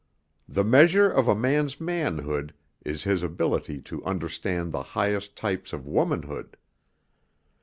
The measure of a man's manhood is his ability to understand the highest type of womanhood.